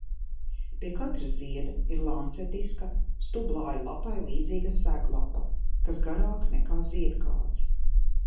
Pie katra zieda ir lancetiska, stublāja lapai līdzīga seglapa, kas garāka nekā ziedkāts.